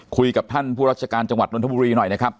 คุยกับท่านผู้ราชการจังหวัดนทบุรีหน่อยนะครับ